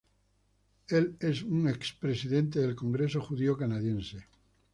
Él es un expresidente del Congreso Judío Canadiense.